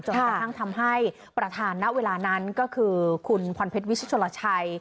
สถานทำให้ประธานหน้าเวลานั้นก็คือคุณพรพฤตวิทย์โชลชัย